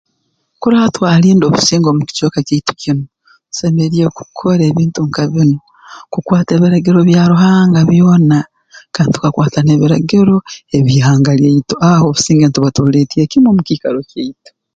Kurora twalinda obusinge omu kicweka kyaitu kinu tusemeriire kukora ebintu nka binu kukwata ebiragiro bya Ruhanga byona kandi tukakwata n'ebiragiro eby'ihanga lyaitu aho obusinge ntuba tubuleetiire kimu omu kiikaro kyaitu